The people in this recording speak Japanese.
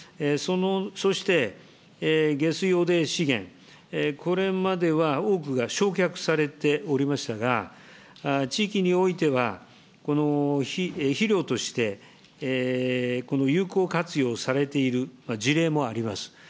そして下水汚泥資源、これまでは多くが焼却されておりましたが、地域においては、この肥料として有効活用されている事例もあります。